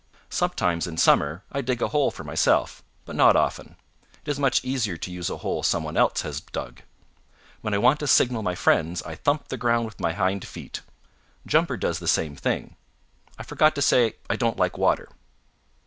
Sometimes in summer I dig a hole for myself, but not often. It is much easier to use a hole somebody else has dug. When I want to signal my friends I thump the ground with my hind feet. Jumper does the same thing. I forgot to say I don't like water."